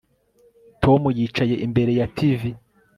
Tom yicaye imbere ya TV